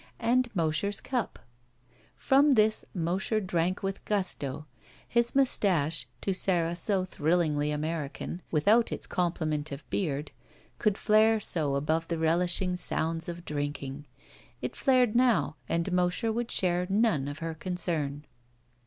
And Mosher's cup. Prom this Mosher drank with gusto. His mus tache, to Sara so thrillingly American, without its complement of beard, could flare so above the relishing sounds of drinking. It flared now and Mosher would share none of her concern.